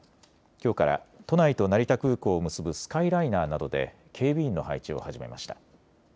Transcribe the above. きょうから都内と成田空港を結ぶスカイライナーなどで警備員の配置を始めました。